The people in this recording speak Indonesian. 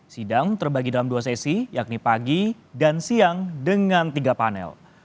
sidang terbagi dalam dua sesi yakni pagi dan siang dengan tiga panel